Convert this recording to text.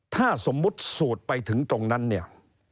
ถ้าสมมุติสูตรไปถึงตรงนั้นเนี่ย